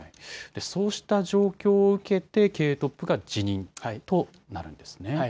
そうした状況を受けて経営トップが辞任となるんですね。